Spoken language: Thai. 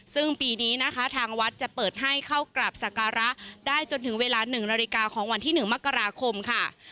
ซึ่งปีนี้นะคะทางวัดจะเปิดให้เข้ากราบสการะได้จนถึงเวลา๑นาฬิกาของวันที่๑มกราคมค่ะ